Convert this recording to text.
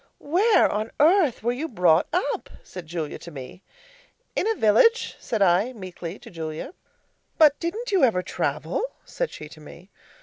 'Where on earth were you brought up?' said Julia to me. 'In a village,' said I meekly, to Julia. 'But didn't you ever travel?' said she to me.